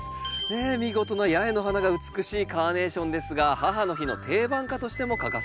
ねえ見事な八重の花が美しいカーネーションですが母の日の定番花としても欠かせませんよね。